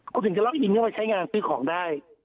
คุณถึงจะเล่าอีกนิดนึงว่าใช้งานซื้อของได้